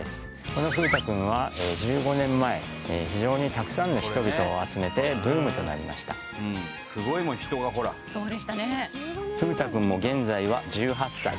この風太くんは１５年前非常にたくさんの人々を集めてブームとなりましたすごいもん人がほらそうでしたね